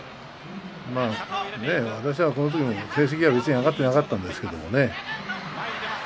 私はこのとき成績は別に挙がっていなかったんですけれどね。